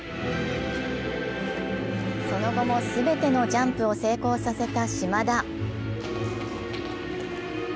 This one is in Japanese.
その後も全てのジャンプを成功させた島田。